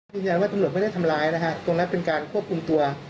ยืนยันว่าตำรวจไม่ได้ทำร้ายนะฮะตรงนั้นเป็นการควบคุมตัว